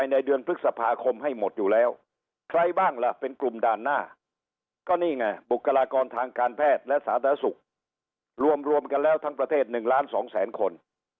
ในเดือนพฤษภาคมให้หมดอยู่แล้วใครบ้างล่ะเป็นกลุ่มด่านหน้าก็นี่ไงบุคลากรทางการแพทย์และสาธารณสุขรวมกันแล้วทั้งประเทศ๑ล้าน๒แสนคน